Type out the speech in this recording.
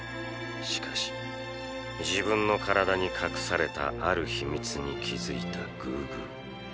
しかし自分の体に隠されたある秘密に気付いたグーグー。